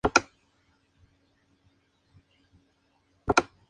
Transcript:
Desde aquel suceso, Jade Raymond se ha escuchado y visto poco.